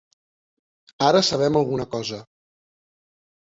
Ara sabem alguna cosa.